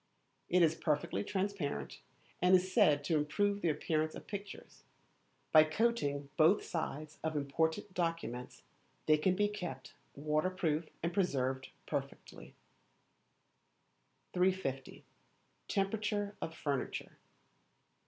It is perfectly transparent, and is said to improve the appearance of pictures. By coating both sides of important documents they can be kept waterproof and preserved perfectly. 350. Temperature of Furniture.